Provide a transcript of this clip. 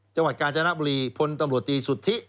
จังหวัดกาญจนบุรีพลตำรวจตีสุทธิ